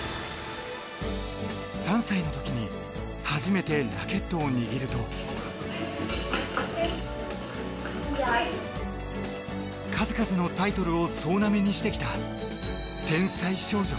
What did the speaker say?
３歳の時に初めてラケットを握ると数々のタイトルを総なめにしてきた天才少女。